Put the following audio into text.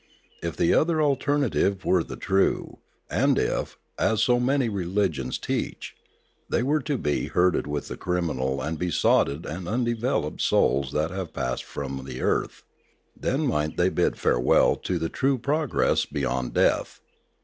If the other alternative were the true, and if, as so many religions teach, they were to be herded with the criminal and besotted and undeveloped souls that have passed from the earth, then might they bid farewell to true progress beyond death.